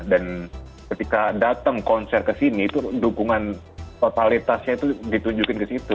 dan ketika datang konser ke sini dukungan totalitasnya itu ditunjukin ke situ